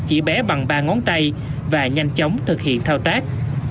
chỉ bé bằng ba ngón tay và nhanh chóng thực hiện thao tác